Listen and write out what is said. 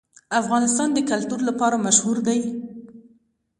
افغانستان د کلتور لپاره مشهور دی.